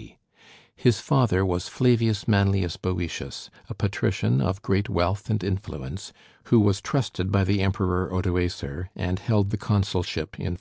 D. His father was Flavius Manlius Boëtius, a patrician of great wealth and influence, who was trusted by the Emperor Odoacer and held the consulship in 487.